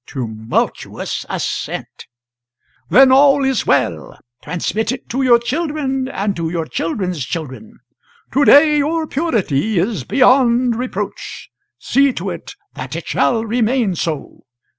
[Tumultuous assent.] Then all is well. Transmit it to your children and to your children's children. To day your purity is beyond reproach see to it that it shall remain so.